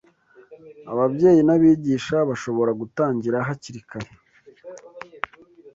ababyeyi n’abigisha bashobora gutangira hakiri kare